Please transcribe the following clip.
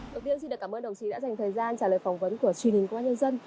đầu tiên xin cảm ơn đồng chí đã dành thời gian trả lời phỏng vấn của truyền hình của các nhân dân